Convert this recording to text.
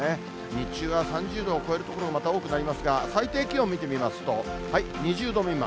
日中は３０度を超える所がまた多くなりますが、最低気温見てみますと、２０度未満。